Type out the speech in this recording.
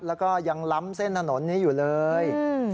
แล้วก็ยังล้ำเส้นถนนนี้อยู่เลย